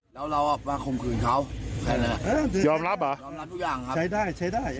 แล้วเรามาข่มขืนเขาแค่นั้นยอมรับเหรอยอมรับทุกอย่างครับใช้ได้ใช้ได้